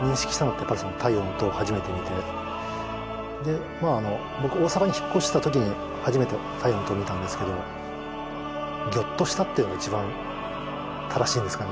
やっぱり「太陽の塔」を初めて見て僕大阪に引っ越した時に初めて「太陽の塔」を見たんですけどギョッとしたっていうのが一番正しいんですかね。